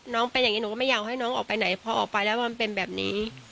น้องก็อย่าไปคนกลัวออกไปได้มีประชาติแบบนี้